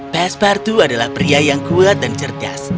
pespartu adalah pria yang kuat dan cerdas